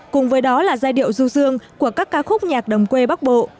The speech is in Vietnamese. cùng với đó là giai điệu ru rương của các ca khúc nhạc đồng quê bắc bộ